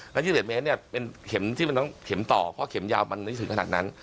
และ๒๑เมตรเป็นเข็มต่อเพราะเข็มยาวมันไม่ถึงขนาดนั้น